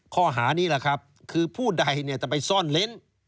ข้อหานี้คือผู้ใดจะไปซ่อนเล้น